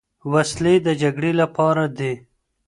وسلې د جګړې لپاره دي.